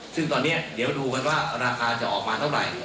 ซึ่งตอนนี้เดี๋ยวดูกันว่าราคาจะออกมาเท่าไหร่